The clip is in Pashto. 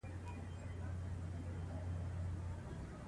خپل نیا او نیکه